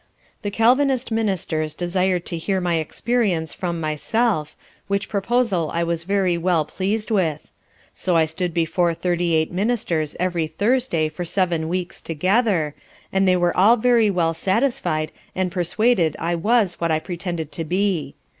The Calvinist Ministers desired to hear my Experience from myself, which proposal I was very well pleased with: So I stood before 38 Ministers every Thursday for seven weeks together, and they were all very well satisfied, and persuaded I was what I pretended to be.